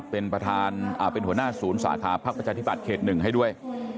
เป็นหัวหน้าศูนย์สาขาภักดิ์ประจาธิบัติเขต๑ให้ด้วย